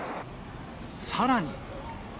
さらに。